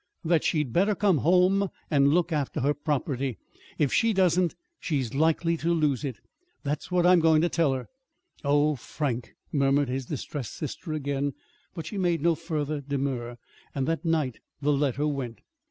"That she'd better come home and look after her property; if she doesn't, she's likely to lose it. That's what I'm going to tell her." "Oh, Frank!" murmured his distressed sister again; but she made no further demur. And that night the letter went.